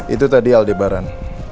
itu tadi aldebaran